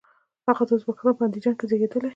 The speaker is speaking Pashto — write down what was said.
هغه د ازبکستان په اندیجان کې زیږیدلی.